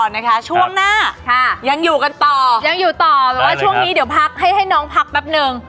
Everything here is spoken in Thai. แปลว่าช่วงนี้เดี๋ยวให้น้องพักแป๊บนึง